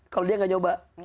kalau dia nggak nyoba